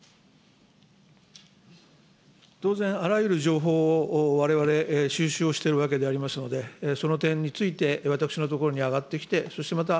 当然、あらゆる情報をわれわれ、収集をしているわけでありますので、その点について、私のところに上がってきて、そしてまた、